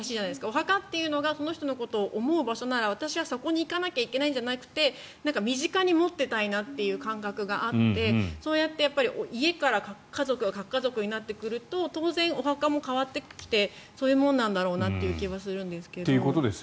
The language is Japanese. お墓っていうのがこの人のことを思う場所なら私はそこに行かなきゃいけないんじゃなくて身近に持っておきたいっていう感覚があってそうやって家から核家族になってくると当然、お墓も変わってきてそういうものなんだろうなという気はするんですが。